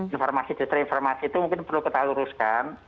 informasi distri informasi itu mungkin perlu kita luruskan